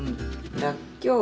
らっきょう。